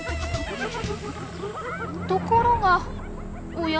ところがおや？